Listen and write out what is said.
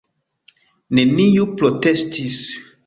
Neniu protestis.